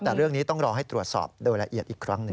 แต่เรื่องนี้ต้องรอให้ตรวจสอบโดยละเอียดอีกครั้งหนึ่ง